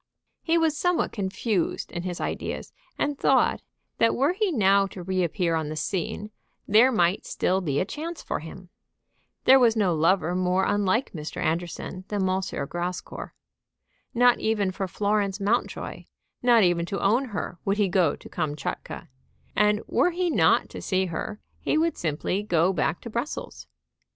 He was somewhat confused in his ideas, and thought, that were he now to re appear on the scene there might still be a chance for him. There was no lover more unlike Mr. Anderson than M. Grascour. Not even for Florence Mountjoy, not even to own her, would he go to Kamtchatka; and were he not to see her he would simply go back to Brussels.